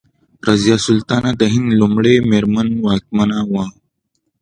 رضیا سلطانه د هند لومړۍ میرمن واکمنه وه.